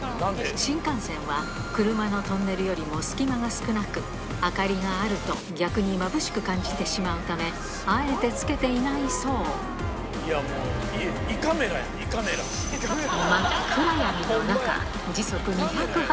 新幹線は車のトンネルよりも隙間が少なく明かりがあると逆にまぶしく感じてしまうためあえてつけていないそうもう胃カメラやん。